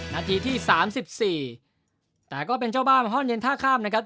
นาทีที่๓๔แต่ก็เป็นเจ้าบ้านห้องเย็นท่าข้ามนะครับ